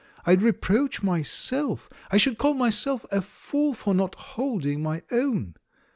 I'd re proach myself! I should call myself a fool for not holding my own.